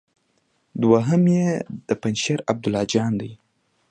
دوهم يې د پنجشېر عبدالله جان دی.